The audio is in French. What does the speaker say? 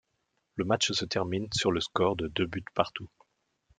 Le match se termine sur le score de deux buts partout.